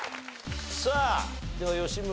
さあでは吉村。